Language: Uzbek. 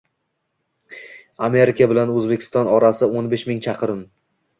Amerika bilan O’zbekiston orasi o’n besh ming chaqirim.